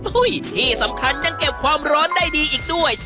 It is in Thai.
ที่สำคัญยังเก็บความร้อนได้ดีอีกด้วย